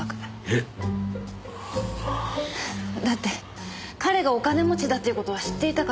えっ？だって彼がお金持ちだっていう事は知っていたから。